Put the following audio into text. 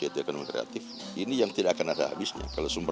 dan ini yang saya suka